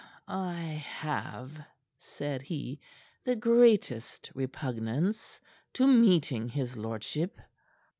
"I have," said he, "the greatest repugnance to meeting his lordship."